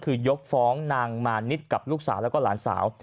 คือยกฟ้องนางมานิดกับลูกสาวแล้วก็หลานสาว